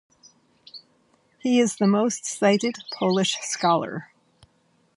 He is the most cited Polish scholar.